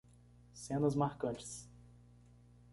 Cenas marcantes.